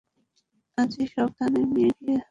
আজি সব থানায় নিয়ে গিয়ে বাঁধিয়ে দোব।